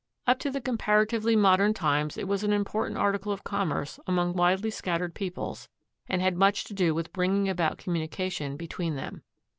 Up to comparatively modern times it was an important article of commerce among widely scattered peoples and had much to do with bringing about communication between them.